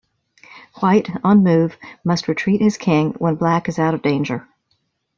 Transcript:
White, on move, must retreat his king, when Black is out of danger.